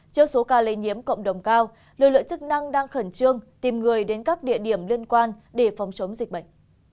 trước số ca lây nhiễm cộng đồng cao lực lượng chức năng đang khẩn trương tìm người đến các địa điểm liên quan để phòng chống dịch bệnh